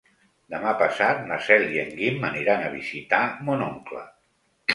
Demà passat na Cel i en Guim aniran a visitar mon oncle.